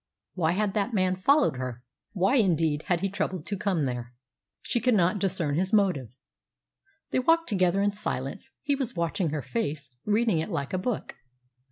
Why had that man followed her? Why, indeed, had he troubled to come there? She could not discern his motive. They walked together in silence. He was watching her face, reading it like a book.